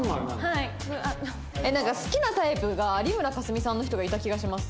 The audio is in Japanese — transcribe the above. なんか好きなタイプが有村架純さんの人がいた気がします。